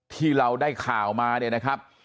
ที่เราได้ข่าวมาเนี่ยนะครับ